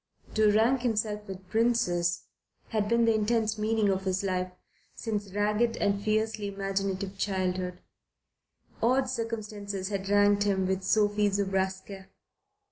To "rank himself with princes" had been the intense meaning of his life since ragged and fiercely imaginative childhood. Odd circumstances had ranked him with Sophie Zobraska.